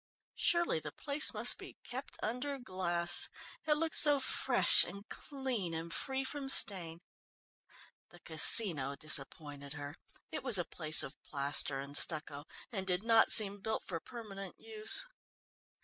Surely the place must be kept under glass. It looked so fresh and clean and free from stain. The Casino disappointed her it was a place of plaster and stucco, and did not seem built for permanent use.